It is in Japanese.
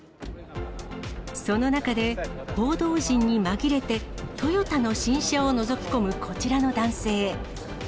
その中で、報道陣に紛れて、トヨタの新車をのぞき込むこちらの男性。